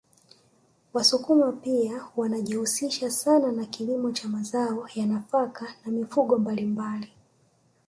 Wasukuma pia wanajihusisha sana na kilimo cha mazao ya nafaka na mifugo mbalimbali